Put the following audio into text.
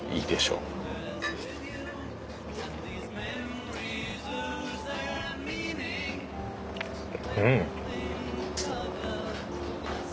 うん。